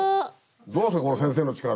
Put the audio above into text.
どうですかこの先生の力。